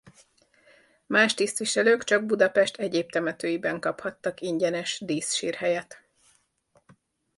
Más tisztviselők csak Budapest egyéb temetőiben kaphattak ingyenes díszsírhelyet.